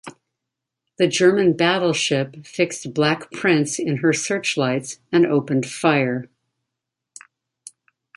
The German battleship fixed "Black Prince" in her searchlights and opened fire.